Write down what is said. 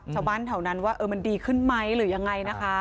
ชาวบ้านแถวนั้นว่ามันดีขึ้นไหมหรือยังไงนะคะ